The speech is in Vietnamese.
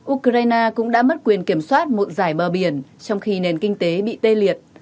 ukraine cũng đã mất quyền kiểm soát một giải bờ biển trong khi nền kinh tế bị tê liệt